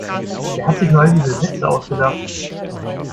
Wer hat sich nur all diese Sätze ausgedacht?